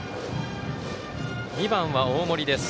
２番は大森です。